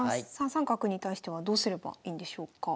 ３三角に対してはどうすればいいんでしょうか？